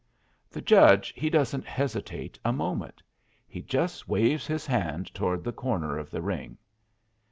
The judge he doesn't hesitate a moment. He just waves his hand toward the corner of the ring.